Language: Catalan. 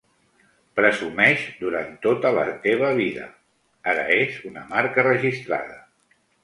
"Presumeix durant tota la teva vida" ara és una marca registrada.